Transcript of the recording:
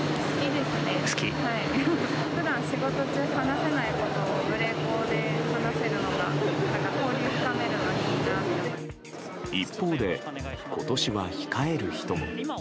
ふだん仕事中、話せないことを無礼講で話せるのが、なんか交一方で、ことしは控える人も。